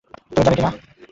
তুমি যাবে কি না!